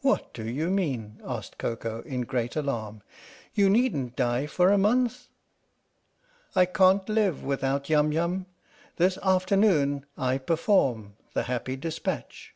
"What do you mean?" asked Koko in great alarm. " You needn't die for a month !"" I can't live without Yum Yum. This afternoon I perform the Happy Despatch